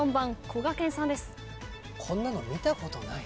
こんなの見たことない。